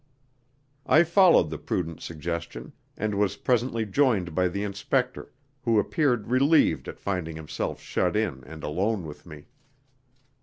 I followed the prudent suggestion, and was presently joined by the inspector, who appeared relieved at finding himself shut in and alone with me.